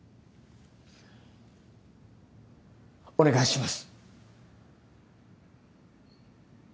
お願いします。